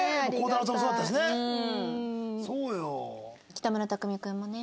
北村匠海君もね。